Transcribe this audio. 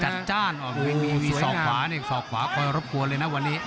จัดจ้านอ๋อมีส่อขวาเนี่ยส่อขวาก็รบหัวเลยนะวันนี้